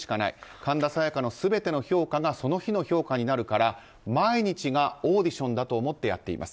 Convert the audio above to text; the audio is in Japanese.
神田沙也加の全ての評価がその日の評価になるから毎日がオーディションだと思ってやっています。